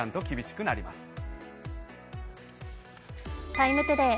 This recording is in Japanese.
「ＴＩＭＥ，ＴＯＤＡＹ」